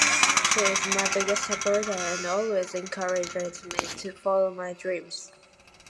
She is my biggest supporter and always encourages me to follow my dreams.